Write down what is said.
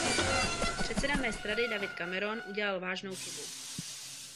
Předseda mé strany David Cameron udělal vážnou chybu.